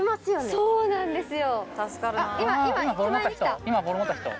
そうなんですよ。